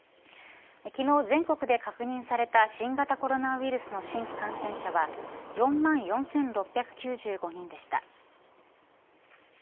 昨日、全国で確認された新型コロナウイルスの新規感染者は４万４６９５人でした。